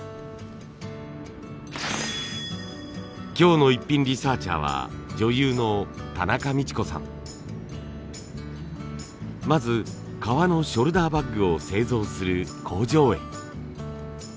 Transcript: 今日のイッピンリサーチャーは女優のまず革のショルダーバッグを製造する工場へ。